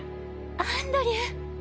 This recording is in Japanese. アンドリュー！